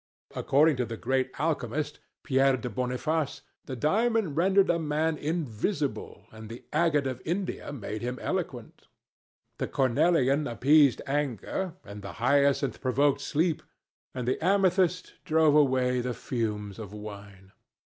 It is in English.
According to the great alchemist, Pierre de Boniface, the diamond rendered a man invisible, and the agate of India made him eloquent. The cornelian appeased anger, and the hyacinth provoked sleep, and the amethyst drove away the fumes of wine.